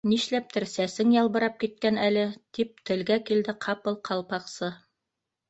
—Нишләптер сәсең ялбырап киткән әле! —тип телгә килде ҡапыл Ҡалпаҡсы.